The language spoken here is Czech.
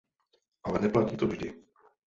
Ale neplatí to vždy.